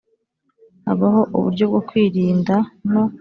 habaho uburyo bwo kwirinda no